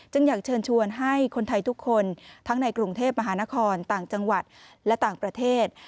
อยากเชิญชวนให้คนไทยทุกคนทั้งในกรุงเทพมหานครต่างจังหวัดและต่างประเทศ